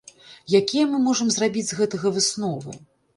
Якія мы можам зрабіць з гэтага высновы?